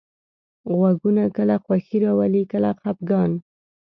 غږونه کله خوښي راولي، کله خپګان.